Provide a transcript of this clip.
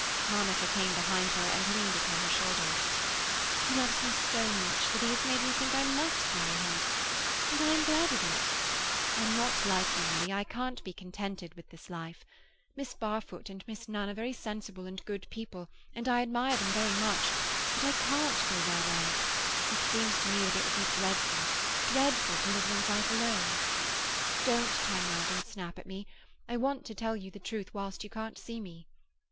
Monica came behind her, and leaned upon her shoulder. "He loves me so much that he has made me think I must marry him. And I am glad of it. I'm not like you, Milly; I can't be contented with this life. Miss Barfoot and Miss Nunn are very sensible and good people, and I admire them very much, but I can't go their way. It seems to me that it would be dreadful, dreadful, to live one's life alone. Don't turn round and snap at me; I want to tell you the truth whilst you can't see me.